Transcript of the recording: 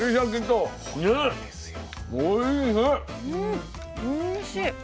うんおいしい。